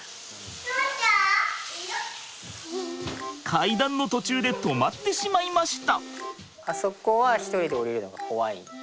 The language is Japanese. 階段の途中で止まってしまいました。